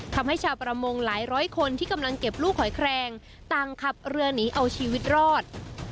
ทำให้ชาวประมงหลายร้อยคนที่กำลังเก็บลูกหอยแครงต่างขับเรือหนีเอาชีวิตรอด